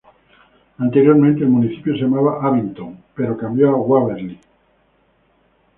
Anteriormente, el municipio se llamaba Abington, pero cambió a Waverly.